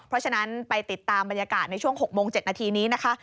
เพราะฉะนั้นไปติดตามบรรยากาศในช่วง๖โมง๗นาทีนี้นะคะ